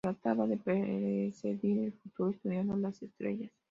Trataba de predecir el futuro estudiando las estrellas.